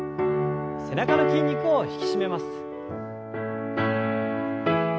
背中の筋肉を引き締めます。